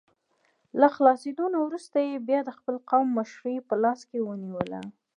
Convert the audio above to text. له خلاصېدو نه وروسته یې بیا د خپل قوم مشري په لاس کې ونیوله.